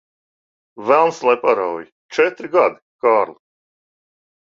Velns lai parauj! Četri gadi, Kārli.